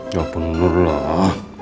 ya bener lah